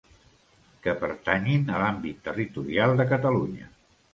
Que pertanyin a l'àmbit territorial de Catalunya.